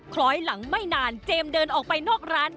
คล้อยหลังไม่นานเจมส์เดินออกไปนอกร้าน